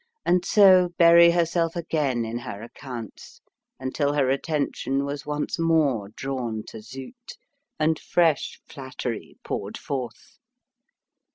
and so bury herself again in her accounts, until her attention was once more drawn to Zut, and fresh flattery poured forth.